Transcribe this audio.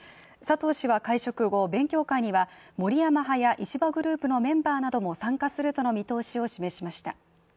佐藤氏は会食後、勉強会には森山派や石破グループのメンバーらも参加するとの見通しを示しました。